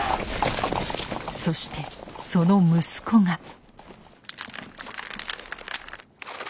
そしてその息子が。